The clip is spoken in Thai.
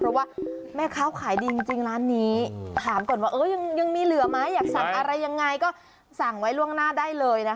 เพราะว่าแม่ค้าขายดีจริงร้านนี้ถามก่อนว่ายังมีเหลือไหมอยากสั่งอะไรยังไงก็สั่งไว้ล่วงหน้าได้เลยนะคะ